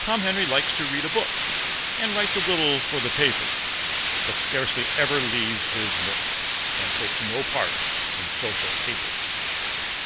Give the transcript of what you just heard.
Tom Henry likes to read a book, And writes a little for the papers, But scarcely ever leaves his nook, And takes no part in social capers.